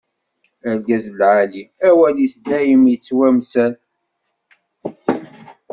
Argaz lɛali, awal-is dayem ittwamsal.